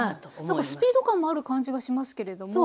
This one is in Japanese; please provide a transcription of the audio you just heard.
なんかスピード感もある感じがしますけれども。